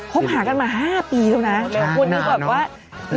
พบหากันมา๕ปีแล้วนะ